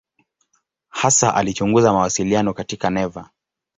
Hasa alichunguza mawasiliano katika neva.